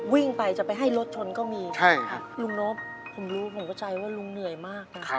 วิ่งไปจะไปให้รถชนก็มีค่ะลุงโน๊ปผมรู้ผมเข้าใจว่าลุงเหนื่อยมากนะ